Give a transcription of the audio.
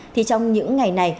thì trong những ngày này